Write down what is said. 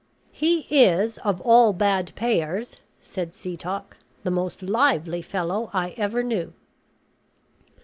"He is, of all bad payers," said Setoc, "the most lively fellow I ever knew."